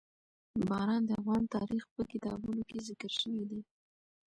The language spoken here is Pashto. باران د افغان تاریخ په کتابونو کې ذکر شوی دي.